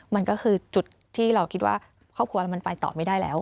มันก็คือจุดที่เราคิดว่าครอบครัวมันไปต่อไม่ได้แล้ว